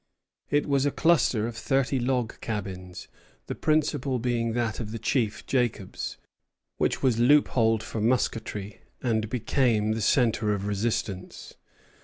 It was a cluster of thirty log cabins, the principal being that of the chief, Jacobs, which was loopholed for musketry, and became the centre of resistance.